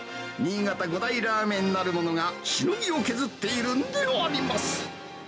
新潟５大ラーメンなるものがしのぎを削っているんであります。